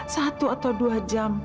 satu atau dua jam